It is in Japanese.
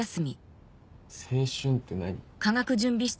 青春って何？